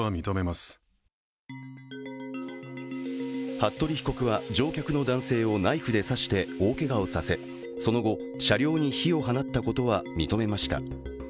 服部被告は乗客の男性をナイフで刺して大けがをさせその後、車両に火を放ったことは認めました。